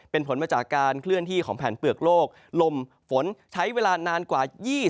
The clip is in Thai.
เป็นผลมาจากการเคลื่อนที่ของแผนเปลือกโลกลมฝนใช้เวลานานกว่า๒๐